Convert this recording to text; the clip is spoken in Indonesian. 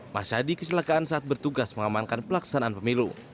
masadi kesilakaan saat bertugas mengamankan pelaksanaan pemilu